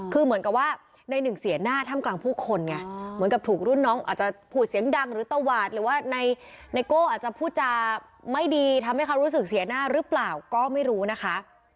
คือเหมือนกับว่าในหนึ่งเสียหน้าท่ามกลางผู้คนไงเหมือนกับถูกรุ่นน้องอาจจะพูดเสียงดังหรือตวาดหรือว่าในไนโก้อาจจะพูดจาไม่ดีทำให้เขารู้สึกเสียหน้าหรือเปล่าก็ไม่รู้นะคะ